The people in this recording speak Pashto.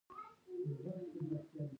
آیا ګاز د پخلي لپاره کاریږي؟